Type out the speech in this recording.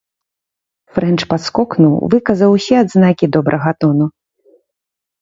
Фрэнч падскокнуў, выказаў усе адзнакі добрага тону.